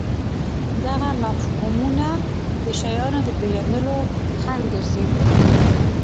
دغه مفهومونه د شیانو د پېژندلو خنډ ګرځي.